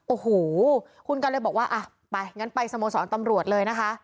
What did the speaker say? โอ้โหคุณกันเลยบอกว่าอ่ะไปงั้นไปสโมสรตำรวจเลยนะคะ